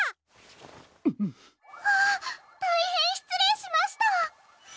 たいへんしつれいしました！